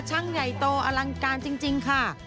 ใหญ่โตอลังการจริงค่ะ